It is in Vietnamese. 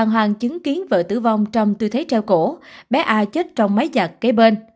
hoàng chứng kiến vợ tử vong trong tư thế treo cổ bé a chết trong máy giặt kế bên